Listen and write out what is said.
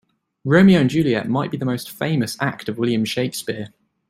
Romeo and Juliet might be the most famous act of William Shakespeare.